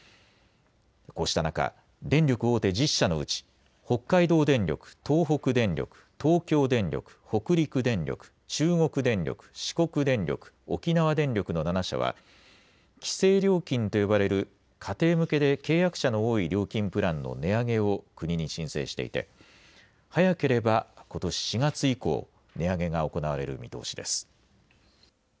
こうした中、電力大手１０社のうち、北海道電力、東北電力、東京電力、北陸電力、中国電力、四国電力、沖縄電力の７社は、規制料金と呼ばれる家庭向けで、契約者の多い料金プランの値上げを国に申請していて、早ければことし４月以降、値上げが行われる見通しです。